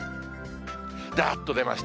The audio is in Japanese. だーっと出ました。